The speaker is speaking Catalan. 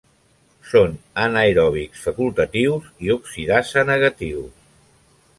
Són anaeròbics facultatius i oxidasa negatius.